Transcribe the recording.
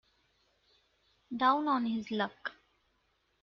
Down on his luck.